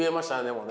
もうね。